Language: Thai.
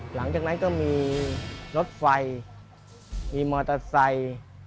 หลังจากนั้นก็มีรถไฟมีมอเตอร์ไซค์